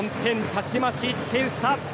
たちまち１点差。